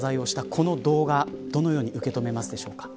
この動画、どのように受け止めますでしょうか。